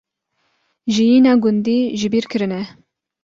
jiyîna gundî jibîrkirine